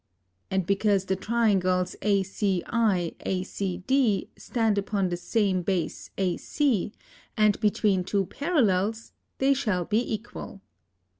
Also because the triangles ACI, ACD stand upon the same base AC & between two parallels they shall be equall.